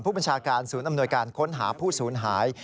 ผู้บัญชาการศูนย์อำนวยการค้นหาผู้สูญหาย